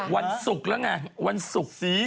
วันศุกร์แล้วไงวันศุกร์ตอนเดือน